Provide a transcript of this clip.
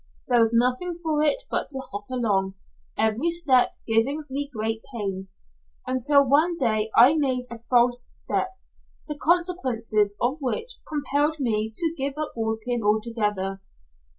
There was nothing for it but to hop along, every step giving me great pain. Until one day I made a false step, the consequences of which compelled me to give up walking altogether.